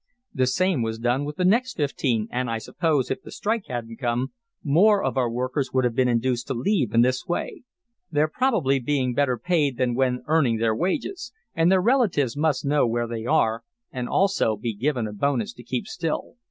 "The same was done with the next fifteen, and, I suppose, if the strike hadn't come, more of our workers would have been induced to leave in this way. They're probably being better paid than when earning their wages; and their relatives must know where they are, and also be given a bonus to keep still.